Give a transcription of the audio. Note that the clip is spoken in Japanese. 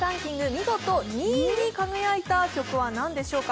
見事２位に輝いた曲は何でしょうか。